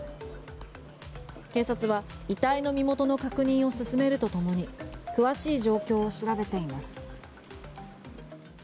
警察は、遺体の身元の確認を進めるとともに詳しい状況を調べています。